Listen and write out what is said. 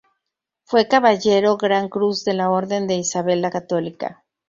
Fue caballero gran cruz de la Orden de Isabel la Católica.